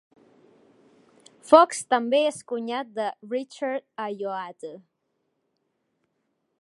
Fox també és cunyat de Richard Ayoade.